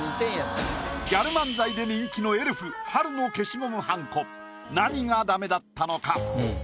ギャル漫才で人気のエルフはるの消しゴムはんこ何がダメだったのか？